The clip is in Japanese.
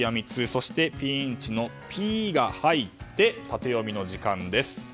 そしてピーンチの「ピ」が入ってタテヨミの時間です。